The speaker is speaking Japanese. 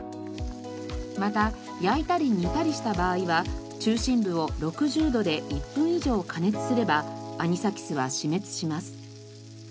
また焼いたり煮たりした場合は中心部を６０度で１分以上加熱すればアニサキスは死滅します。